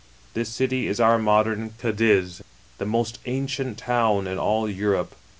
This city is our modern Cadiz, the most ancient town in all Europe.